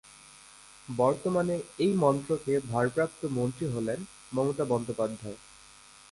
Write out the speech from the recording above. বর্তমানে এই মন্ত্রকের ভারপ্রাপ্ত মন্ত্রী হলেন মমতা বন্দ্যোপাধ্যায়।